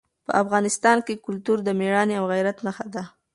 په افغانستان کې کلتور د مېړانې او غیرت نښه ده.